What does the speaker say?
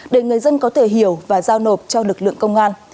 để người dân có thể hiểu và giao nộp cho lực lượng công an